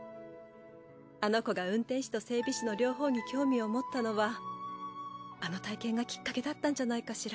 あの子が運転士と整備士の両方に興味を持ったのはあの体験がきっかけだったんじゃないかしら。